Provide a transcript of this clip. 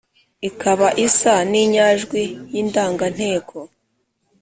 ikaba isa n’inyajwi y’indanganteko.